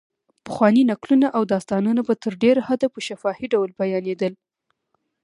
پخواني نکلونه او داستانونه په تر ډېره حده په شفاهي ډول بیانېدل.